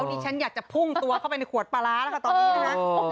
ดิฉันอยากจะพุ่งตัวเข้าไปในขวดปลาร้าแล้วค่ะตอนนี้นะคะ